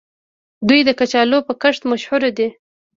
دوی د کچالو په کښت مشهور دي.